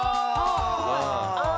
ああ！